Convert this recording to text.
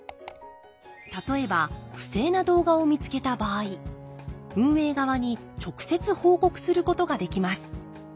例えば不正な動画を見つけた場合運営側に直接報告することができます。